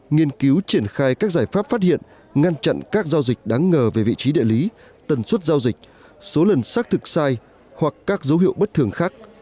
nghiên cứu triển khai các giải pháp phát hiện ngăn chặn các giao dịch đáng ngờ về vị trí địa lý tần suất giao dịch số lần xác thực sai hoặc các dấu hiệu bất thường khác